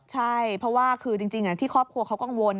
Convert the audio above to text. ใช่เพราะว่าคือจริงที่ครอบครัวเขากังวล